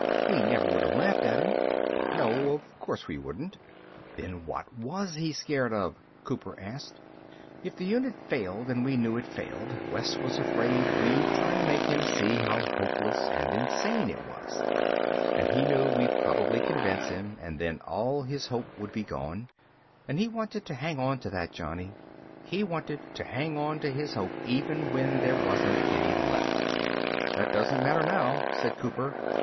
We never would have laughed at him." "No. Of course we wouldn't." "Then what was he scared of?" Cooper asked. "If the unit failed and we knew it failed, Wes was afraid we'd try to make him see how hopeless and insane it was. And he knew we'd probably convince him and then all his hope would be gone. And he wanted to hang onto that, Johnny. He wanted to hang onto his hope even when there wasn't any left." "That doesn't matter now," said Cooper.